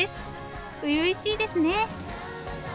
初々しいですね。